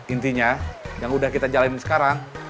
intinya yang udah kita jalanin sekarang